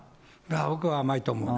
僕は甘いと思うな。